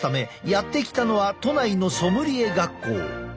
やって来たのは都内のソムリエ学校。